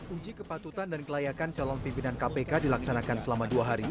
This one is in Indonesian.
uji kepatutan dan kelayakan calon pimpinan kpk dilaksanakan selama dua hari